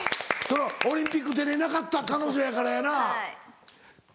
オリンピック出れなかった彼女やからやな。